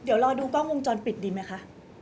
เดี๋ยวรอดูกล้องวงจรปิดดีไหมคะ